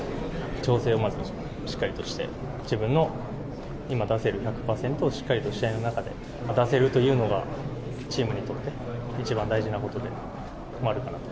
調整をまずしっかりとして、自分の今出せる１００％をしっかりと試合の中で出せるというのが、チームにとって一番大事なことでもあるかなと。